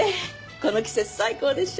この季節最高でしょ？